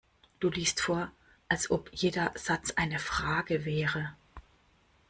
Du liest vor, als ob jeder Satz eine Frage wäre.